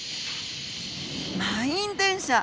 満員電車！